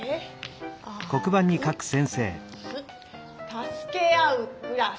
「助け合うクラス」。